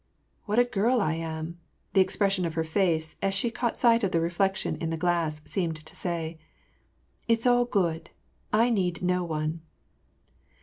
<^ What a girl I am !" the expression of her f ace, as she caught sight of the reflection in the glass, seemed to say. '< It's all good ! I need no one."